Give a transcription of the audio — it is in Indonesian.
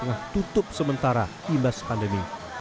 tengah tutup sementara imbas pandemi